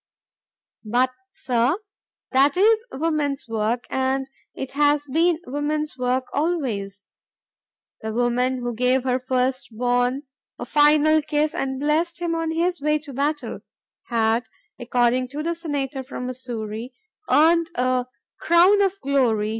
"But, sir, that is woman's work, and it has been woman's work always .... The woman who gave her first born a final kiss and blessed him on his way to battle," had, according to the Senator from Missouri, earned a "crown of glory